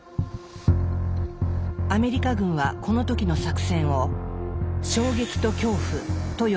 アメリカ軍はこの時の作戦を「衝撃と恐怖」と呼んでいました。